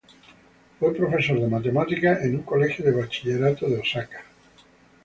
Fue profesor de matemáticas en un colegio de bachillerato de Osaka.